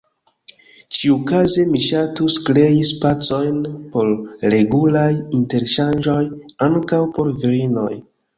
Ĉiukaze mi ŝatus krei spacojn por regulaj interŝanĝoj ankaŭ por virinoj.